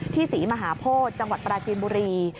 ศรีมหาโพธิจังหวัดปราจีนบุรี